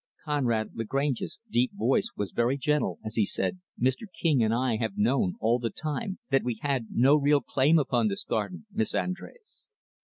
Conrad Lagrange's deep voice was very gentle as he said, "Mr. King and I have known, all the time, that we had no real claim upon this garden, Miss Andrés."